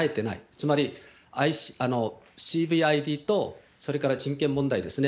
つまり、ＣＢＩＤとそれから人権問題ですね。